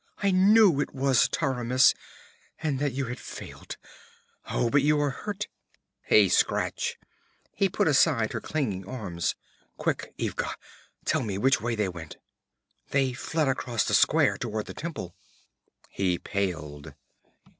I knew it was Taramis, and that you had failed! Oh, you are hurt!' 'A scratch!' He put aside her clinging hands. 'Quick, Ivga, tell me which way they went!' 'They fled across the square toward the temple.' He paled.